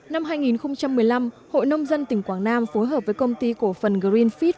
năm hai nghìn một mươi năm hội nông dân tỉnh quảng nam phối hợp với công ty cổ phần greenfith